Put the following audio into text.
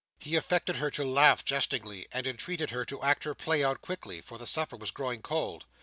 He affected to laugh jestingly, and entreated her to act her play out quickly, for the supper was growing cold.